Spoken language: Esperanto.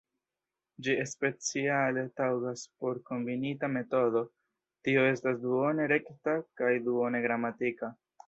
Ĝi speciale taŭgas por kombinita metodo, tio estas duone rekta kaj duone gramatika.